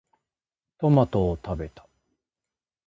トマトを食べた。